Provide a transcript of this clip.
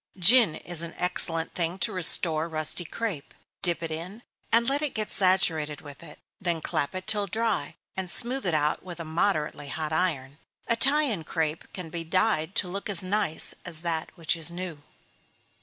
Gin is an excellent thing to restore rusty crape dip it in, and let it get saturated with it; then clap it till dry, and smooth it out with a moderately hot iron. Italian crape can be dyed to look as nice as that which is new.